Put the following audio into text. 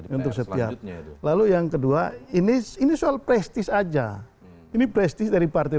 mau dimasukkan logika gitu